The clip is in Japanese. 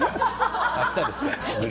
あしたですね。